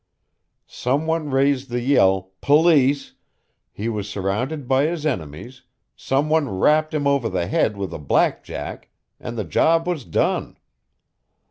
Some one raised the yell "Police," he was surrounded by his enemies, some one rapped him over the head with a black jack, and the job was done.